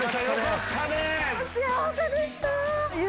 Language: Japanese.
幸せでした！